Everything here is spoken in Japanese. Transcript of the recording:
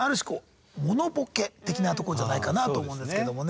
的なとこじゃないかなぁと思うんですけどもね。